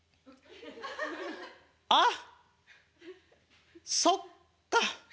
「あっそっか」。